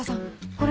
これ。